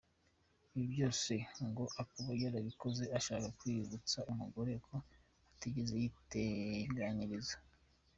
Ibi byose ngo akaba yarabikoze ashaka kwibutsa umugore we ko atigeze yiteganyiriza.